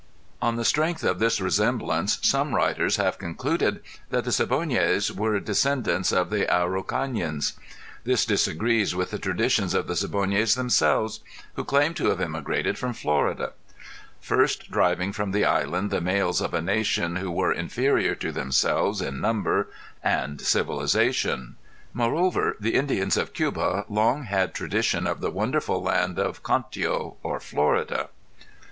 On the strength of this resemblance some writers have concluded that the Siboneyes were descendants of the Araucanians. This disagrees with the traditions of the Siboneyes themselves who claim to have immigrated from Florida; first driving from the island the males of a nation who were inferior to themselves in number and civilization; moreover the Indians of Cuba long had tradition of the wonderful land of Cantio or Florida.